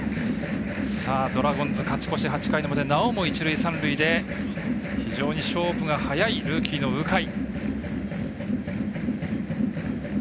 ドラゴンズ、勝ち越し８回の表なおも一塁三塁で非常に勝負が早いルーキーの鵜飼。